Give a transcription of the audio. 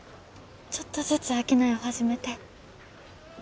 ちょっとずつ商いを始めて。